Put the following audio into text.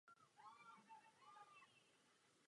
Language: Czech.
Otec byl vrchnostenský úředník arcibiskupské kapituly.